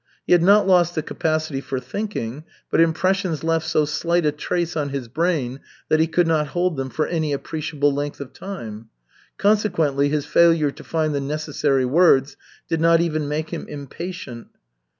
He had not lost the capacity for thinking, but impressions left so slight a trace on his brain that he could not hold them for any appreciable length of time. Consequently his failure to find the necessary words did not even make him impatient.